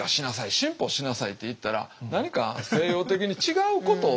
進歩しなさい」って言ったら何か西洋的に違うことをするっていう。